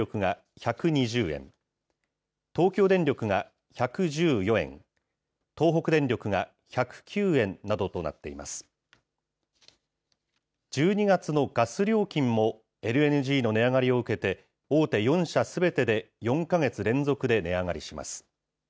１２月のガス料金もＬＮＧの値上がりを受けて、大手４社すべてで４か月連続で値上がりします。